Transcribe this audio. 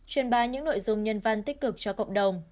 truyền bá những nội dung nhân văn tích cực cho cộng đồng